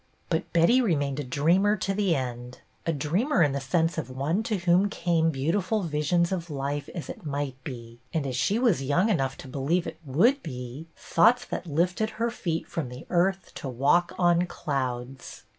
But Betty remained a dreamer to the end ; a dreamer in the sense of one to whom came beautiful visions of life as it might be — and as she was yoLing enough to believe it would be — thoughts that lifted her feet from the earth to walk on clouds.